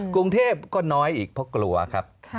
กรุงเทพก็น้อยอีกเพราะกลัวครับ